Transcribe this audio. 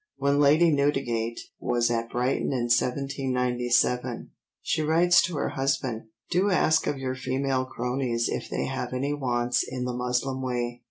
When Lady Newdigate was at Brighton in 1797 she writes to her husband: "Do ask of your female croneys if they have any wants in the muslin way.